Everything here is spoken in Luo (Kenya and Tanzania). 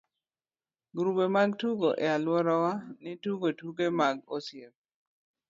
grube mag tugo e alworawa ne tugo tuke mag osiep.